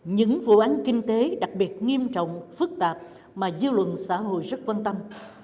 những vụ án kinh tế đặc biệt nghiêm trọng phức tạp mà dư luận xã hội rất quan tâm